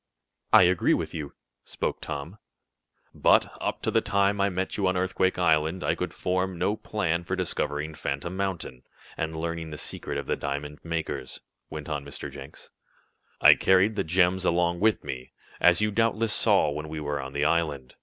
"I agree with you," spoke Tom. "But, up to the time I met you on Earthquake Island, I could form no plan for discovering Phantom Mountain, and learning the secret of the diamond makers," went on Mr. Jenks. "I carried the gems about with me, as you doubtless saw when we were on the island.